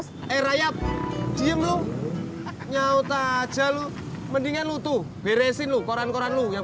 sampai jumpa di video selanjutnya